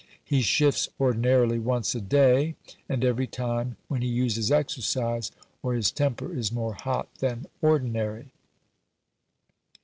He shifts ordinarily once a day, and every time when he uses exercise, or his temper is more hot than ordinary.